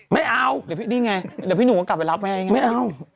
ไม่เอานี่ไงเดี๋ยวพี่หนูก็กลับไปรับแม่อย่างนั้น